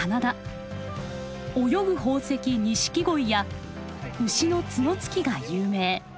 泳ぐ宝石錦鯉や牛の角突きが有名。